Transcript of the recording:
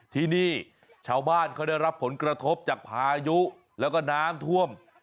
ที่นี่ชาวบ้านเขาได้รับผลกระทบจากพายุแล้วก็น้ำท่วม